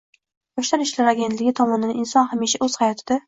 Yoshlar ishlari agentligi tomonidan inson hamisha o‘z hayotida